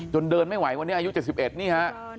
เดินไม่ไหววันนี้อายุ๗๑นี่ฮะ